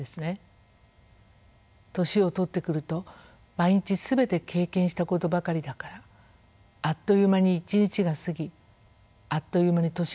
年を取ってくると毎日全て経験したことばかりだからあっという間に一日が過ぎあっという間に年が暮れる。